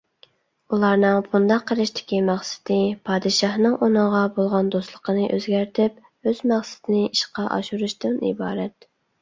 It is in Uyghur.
ئۇلارنىڭ بۇنداق قىلىشتىكى مەقسىتى پادىشاھنىڭ ئۇنىڭغا بولغان دوستلۇقىنى ئۆزگەرتىپ، ئۆز مەقسىتىنى ئىشقا ئاشۇرۇشتىن ئىبارەت.